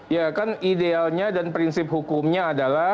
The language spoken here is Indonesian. ya kan idealnya dan prinsip hukumnya adalah